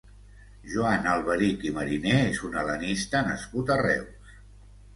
Joan Alberich i Mariné és un hel·lenista nascut a Reus.